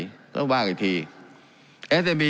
การปรับปรุงทางพื้นฐานสนามบิน